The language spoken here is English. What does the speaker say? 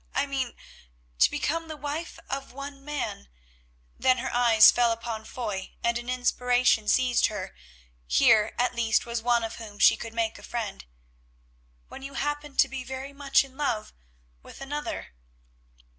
I mean to become the wife of one man;" then her eyes fell upon Foy and an inspiration seized her; here, at least, was one of whom she could make a friend—"when you happen to be very much in love with another."